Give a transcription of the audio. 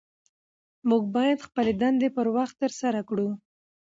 موږ باید خپلې دندې پر وخت ترسره کړو